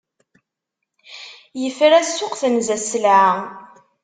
Yefra ssuq, tenza sselɛa.